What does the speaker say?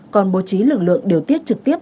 còn bố trí lực lượng điều tiết trực tiếp